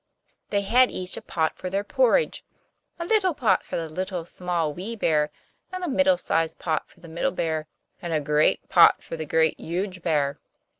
They had each a pot for their porridge, a little pot for the Little, Small, Wee Bear; and a middle sized pot for the Middle Bear; and a great pot for the Great, Huge Bear.